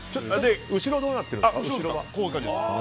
後ろ、どうなってるんですか？